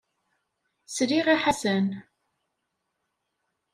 Sliɣ i Ḥasan.